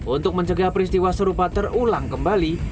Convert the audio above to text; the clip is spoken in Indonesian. untuk mencegah peristiwa serupa terulang kembali